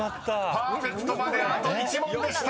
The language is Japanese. ［パーフェクトまであと１問でした］